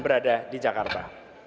berada di jakarta